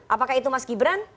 apakah itu mas gibran